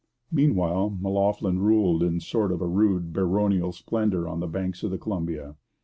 ] Meanwhile, M'Loughlin ruled in a sort of rude baronial splendour on the banks of the Columbia.